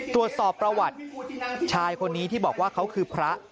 ตรวจสอบประวัติชายคนนี้ที่บอกว่าเขาคือพระ